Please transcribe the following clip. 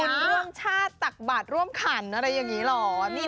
ทำบุญเรื่องชาติตักบัตรร่วมขันต์อะไรอย่างงี้เหรอ